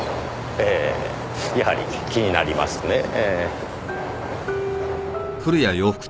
ええやはり気になりますねえ。